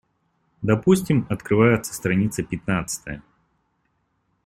Допустим, открывается страница пятнадцатая.